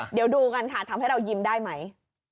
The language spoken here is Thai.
เดี๋ยวดูกันค่ะทำให้เรายิ้มได้ไหม